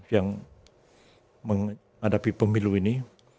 yang menghadapi pemilu ini